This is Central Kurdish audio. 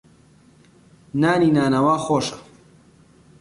نانی نانەوا خۆشە.